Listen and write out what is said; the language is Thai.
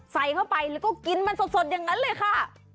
ใส่เข้าไปแล้วก็กินมันสดอย่างนั้นเลยค่ะ